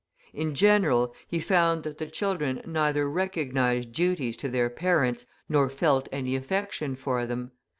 In general, he found that the children neither recognised duties to their parents nor felt any affection for them.